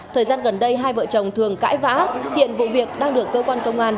thời gian gần đây hai vợ chồng thường cãi vã hiện vụ việc đang được cơ quan công an